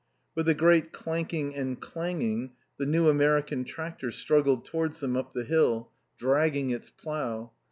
With a great clanking and clanging the new American, tractor struggled towards them up the hill, dragging its plough.